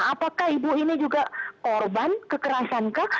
apakah ibu ini juga korban kekerasankah